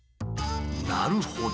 なるほど。